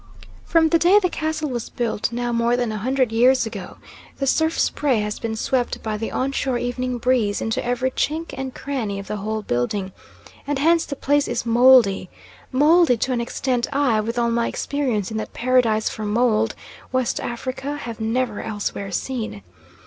From the day the castle was built, now more than a hundred years ago, the surf spray has been swept by the on shore evening breeze into every chink and cranny of the whole building, and hence the place is mouldy mouldy to an extent I, with all my experience in that paradise for mould, West Africa, have never elsewhere seen.